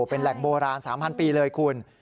เป็นแหล่งโบราณ๓๐๐ปีเลยคุณ